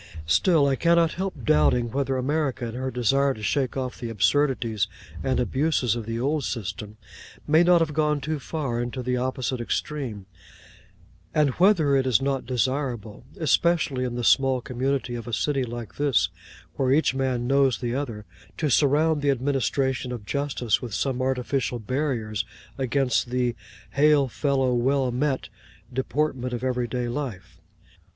Still, I cannot help doubting whether America, in her desire to shake off the absurdities and abuses of the old system, may not have gone too far into the opposite extreme; and whether it is not desirable, especially in the small community of a city like this, where each man knows the other, to surround the administration of justice with some artificial barriers against the 'Hail fellow, well met' deportment of everyday life.